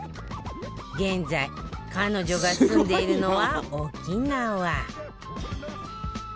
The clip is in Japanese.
現在、彼女が住んでいるのは沖縄。